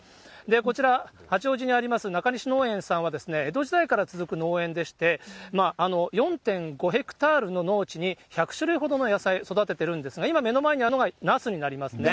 こちら、八王子にありますなかにし農園さんは、江戸時代から続く農園でして、４．５ヘクタールの農地に１００種類ほどの野菜を育てているんですが、今、目の前にあるのがナスになりますね。